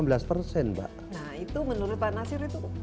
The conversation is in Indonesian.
nah itu menurut pak nasir itu